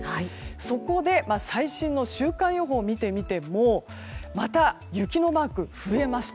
そこで最新の週間予報を見てみてもまた雪のマークが増えました。